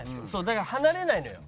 だから離れないのよ。